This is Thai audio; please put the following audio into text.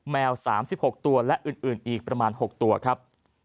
แมว๓๖ตัวและอื่นอีกประมาณ๖ตัวครับ